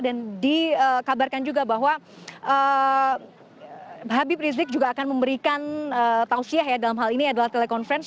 dan dikabarkan juga bahwa habib rizik juga akan memberikan tausiah dalam hal ini adalah telekonferensi